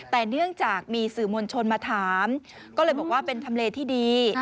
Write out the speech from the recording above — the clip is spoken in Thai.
แต่เนื่องจากมีสื่อวงชนมาถามก็บอกว่าเป็นธรรมดาที่ดี